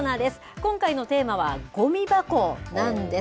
今回のテーマは、ゴミ箱なんです。